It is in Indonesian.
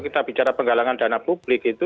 kita bicara penggalangan dana publik itu